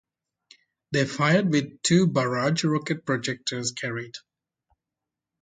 They fired with two barrage rocket projectors carried.